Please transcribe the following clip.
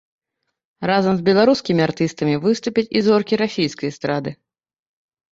Разам з беларускімі артыстамі выступяць і зоркі расійскай эстрады.